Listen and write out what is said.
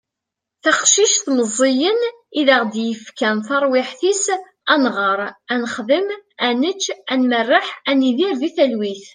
taqcict meẓẓiyen i aɣ-d-yefkan taṛwiḥt-is ad nɣeṛ, ad nexdem, ad nečč, ad merreḥ, ad nidir di talwit